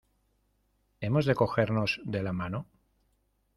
¿ Hemos de cogernos de la mano?